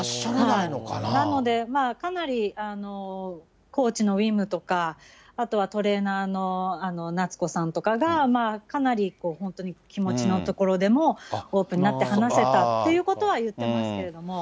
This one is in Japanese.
なので、かなりコーチのウィムとか、あとはトレーナーのなつこさんとかが、かなり本当に気持ちのところでも、オープンになって話してたということは言ってますけれども。